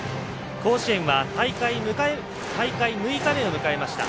甲子園は大会６日目を迎えました。